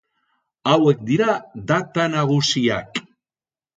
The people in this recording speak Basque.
Hauek dira data nagusiak.